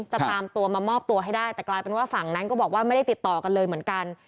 ตามตัวมามอบตัวให้ได้แต่กลายเป็นว่าฝั่งนั้นก็บอกว่าไม่ได้ติดต่อกันเลยเหมือนกัน